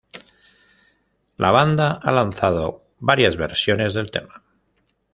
La banda ha lanzado varias versiones del tema.